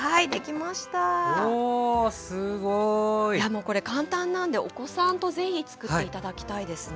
もうこれ簡単なんでお子さんと是非つくって頂きたいですね。